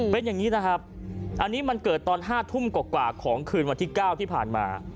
เป็นอย่างนี้นะครับอันนี้มันเกิดตอน๕ทุ่มกว่าของคืนวันที่๙ที่ผ่านมา